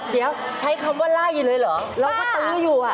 เดี๋ยวใช้คำว่าไล่เลยเหรอเราก็ตู้อยู่